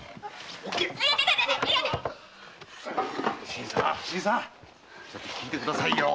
新さん新さん聞いてくださいよ。